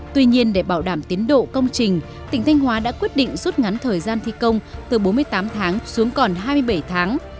tuy nhiên để bảo đảm tiến độ công trình tỉnh thanh hóa đã quyết định rút ngắn thời gian thi công từ bốn mươi tám tháng xuống còn hai mươi bảy tháng